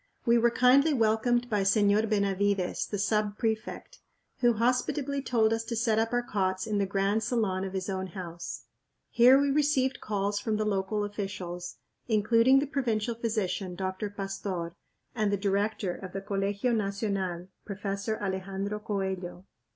We were kindly welcomed by Señor Benavides, the sub prefect, who hospitably told us to set up our cots in the grand salon of his own house. Here we received calls from the local officials, including the provincial physician, Dr. Pastór, and the director of the Colegio Nacional, Professor Alejandro Coello.